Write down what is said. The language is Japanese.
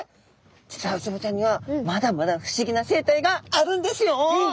実はウツボちゃんにはまだまだ不思議な生態があるんですよ！